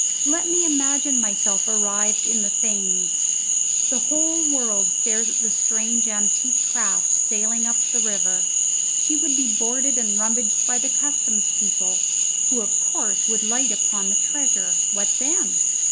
Let me imagine myself arrived in the Thames. The whole world stares at the strange antique craft sailing up the river; she would be boarded and rummaged by the customs people, who of course would light upon the treasure. What then?